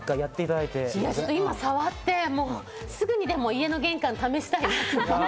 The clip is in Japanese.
今触って、すぐにでも家の玄関を試したい。